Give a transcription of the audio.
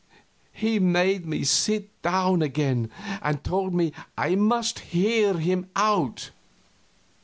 He made me sit down again, and told me I must hear him out.